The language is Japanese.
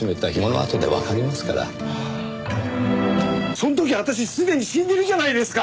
その時あたしすでに死んでるじゃないですか！